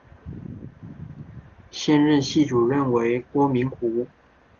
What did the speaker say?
现任系主任为郭明湖。